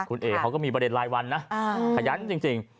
คุณเอกเขาก็มีประเด็นรายวันนะขยันจริง